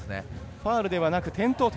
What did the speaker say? ファウルではなく転倒と。